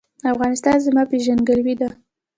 افغانستان زما پیژندګلوي ده؟